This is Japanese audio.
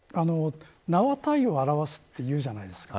名は体を表すというじゃないですか。